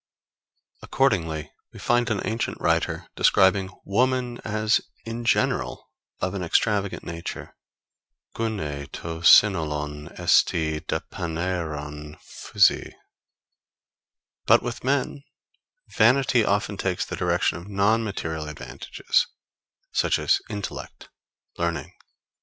Accordingly we find an ancient writer describing woman as in general of an extravagant nature [Greek: Gynae to synolon esti dapanaeron Physei] But with men vanity often takes the direction of non material advantages, such as intellect, learning, courage.